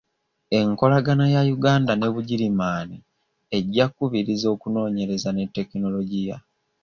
Enkolagana ya Uganda ne Bugirimani ejja kubiriza okunoonyereza ne tekinologiya.